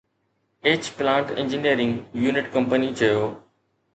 H plant engineering unit company چيو